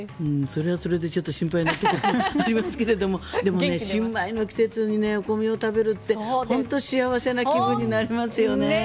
それはそれでちょっと心配になってきますがでも、新米の季節にお米を食べるって本当に幸せな気分になりますね。